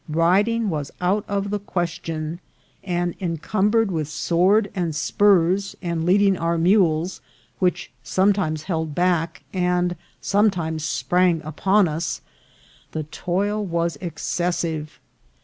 Riding was out of the question ; and encumbered with sword and spurs, and leading our mules, which sometimes held back, and sometimes sprang upon us, the toil was excessive.